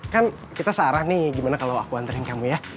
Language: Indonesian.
kan kita sarah nih gimana kalau aku antren kamu ya